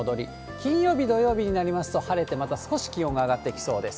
金曜日、土曜日になりますと、晴れてまた少し気温が上がってきそうです。